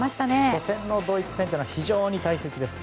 初戦のドイツ戦は非常に大切です。